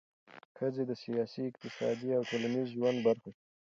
ښځې د سیاسي، اقتصادي او ټولنیز ژوند برخه شوه.